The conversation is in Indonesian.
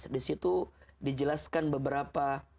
disitu dijelaskan beberapa